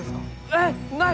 えっない！？